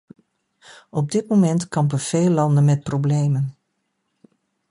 Op dit moment kampen veel landen met problemen.